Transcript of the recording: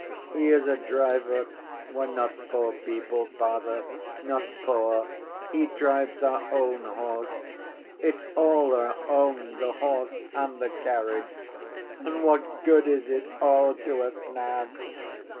He is a driver. We're not poor people, Father, not poor; he drives our own horse. It's all our own, the horse and the carriage. And what good is it all to us now?